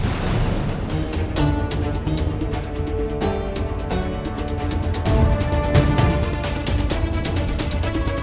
aku akan mencintai angel li